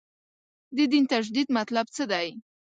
د دین تجدید مطلب څه دی.